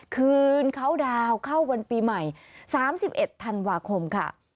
คืนเข้าดาวเข้าวันปีใหม่สามสิบเอ็ดธันวาคมค่ะ